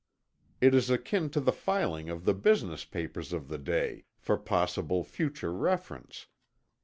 It is akin to the filing of the business papers of the day, for possible future reference.